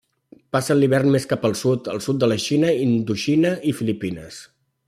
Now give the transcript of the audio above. Passen l'hivern més cap al sud, al sud de la Xina, Indoxina i Filipines.